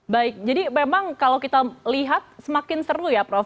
baik jadi memang kalau kita lihat semakin seru ya prof